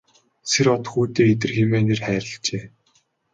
Сэр-Од хүүдээ Идэр хэмээн нэр хайрлажээ.